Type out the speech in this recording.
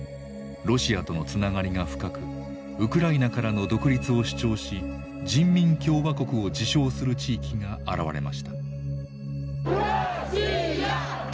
ロシアとのつながりが深くウクライナからの独立を主張し人民共和国を自称する地域が現れました。